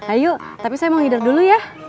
ayo tapi saya mau headar dulu ya